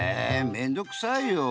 めんどうくさいよ！